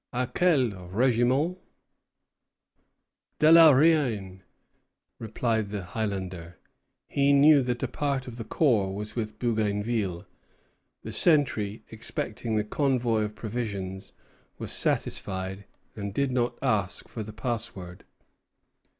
À quel régiment? De la Reine, replied the Highlander. He knew that a part of that corps was with Bougainville. The sentry, expecting the convoy of provisions, was satisfied, and did not ask for the password.